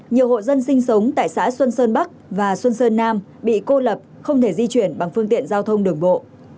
nhiều hộ dân sinh sống tại xã xuân sơn bắc và xuân sơn nam bị cô lập không thể di chuyển bằng phương tiện giao thông đường bộ